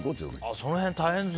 その辺、大変ですね。